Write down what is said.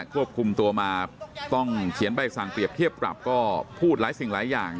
ควบคุมตัวมาต้องเขียนใบสั่งเปรียบเทียบปรับก็พูดหลายสิ่งหลายอย่าง